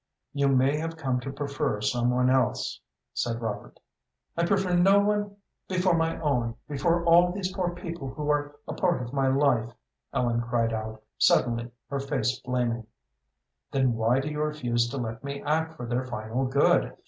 "You may have come to prefer some one else," said Robert. "I prefer no one before my own, before all these poor people who are a part of my life," Ellen cried out, suddenly, her face flaming. "Then why do you refuse to let me act for their final good?